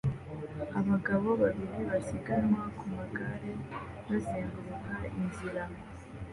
Abagabo babiri basiganwa ku magare bazenguruka inzira